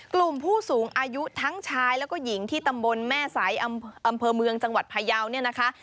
กลุ่มผู้สูงอายุทั้งชายแล้วก็หญิงที่ตำบลแม่สายอำเภอเมืองจังหวัดพยาวเนี่ยนะคะ